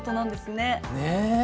ねえ。